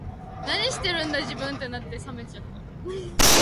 This dictatorship is fought by pirates.